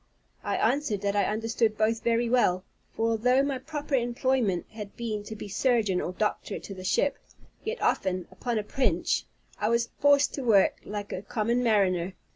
I answered that I understood both very well: for although my proper employment had been to be surgeon or doctor to the ship, yet often, upon a pinch, I was forced to work like a common mariner.